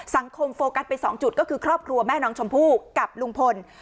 โฟกัสไป๒จุดก็คือครอบครัวแม่น้องชมพู่กับลุงพล